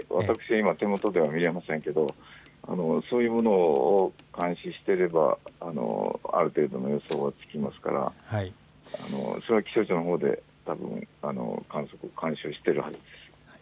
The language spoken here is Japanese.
今手元では見れませんがそういうものを監視していればある程度の予想はつきますのでそれは気象庁のほうでたぶん監修しているはずです。